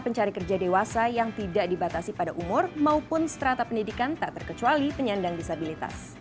pemagang yang dimaksud merupakan para pencari kerja dewasa yang tidak dibatasi pada umur maupun strata pendidikan tak terkecuali penyandang disabilitas